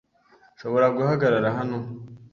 Nshobora guhagarara hano?